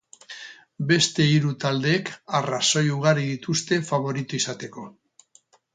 Beste hiru taldeek arrazoi ugari dituzte faborito izateko.